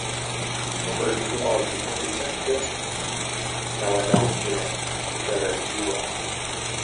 Umri mzima wa kikundi chake na wanaume hutarajiwa